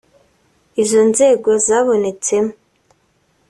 izo nzego zabonetsemo